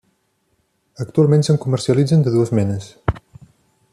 Actualment se'n comercialitzen de dues menes.